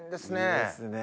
いいですね。